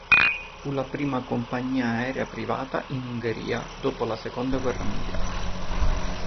Fu la prima compagnia aerea privata in Ungheria dopo la Seconda guerra mondiale.